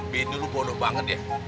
bini lu bodoh banget ya